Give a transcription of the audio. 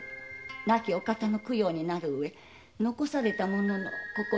亡きお方の供養になる上残された者の心も洗われます。